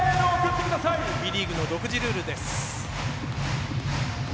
Ｂリーグの独自ルールです。